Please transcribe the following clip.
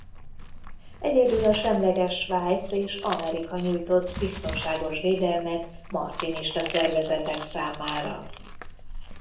Egyedül a semleges Svájc és Amerika nyújtott biztonságos védelmet martinista szervezetek számára.